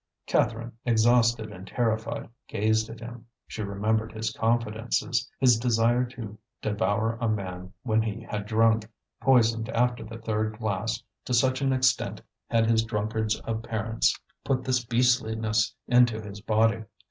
Catherine, exhausted and terrified, gazed at him. She remembered his confidences, his desire to devour a man when he had drunk, poisoned after the third glass, to such an extent had his drunkards of parents put this beastliness into his body.